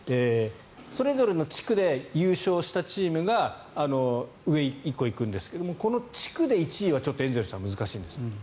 それぞれの地区で優勝したチームが上に１個行くんですが地区で１位はちょっとエンゼルスは難しいんです。